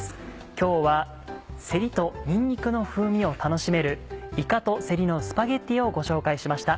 今日はせりとにんにくの風味を楽しめる「いかとせりのスパゲティ」をご紹介しました。